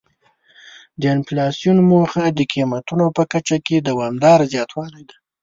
د انفلاسیون موخه د قیمتونو په کچه کې دوامداره زیاتوالی دی.